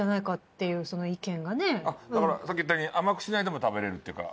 だからさっき言ったように甘くしないでも食べれるっていうから。